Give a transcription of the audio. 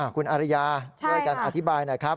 คุณอาริยาช่วยกันอธิบายหน่อยครับ